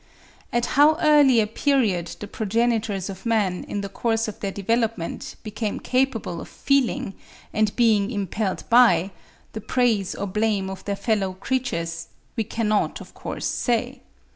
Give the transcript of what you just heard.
At how early a period the progenitors of man in the course of their development, became capable of feeling and being impelled by, the praise or blame of their fellow creatures, we cannot of course say.